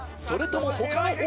それとも他の。